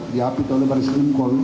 dihapit oleh baris krim kol